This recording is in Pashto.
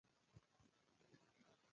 احمد چې پر سارا غږ وکړ؛ د هغې زړه ولوېد.